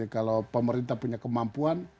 kalau pemerintah punya kemampuan